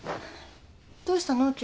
どうしたの？